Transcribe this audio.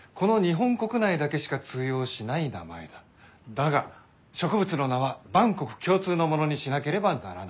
だが植物の名は万国共通のものにしなければならない。